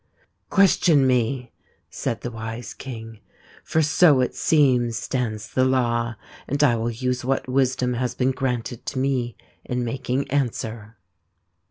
THE POOL OF ENCHANTMENT 153 " Question me," said the wise king, " for so, it seems, stands the law ; and I will use what wisdom has been granted to me in mating answer."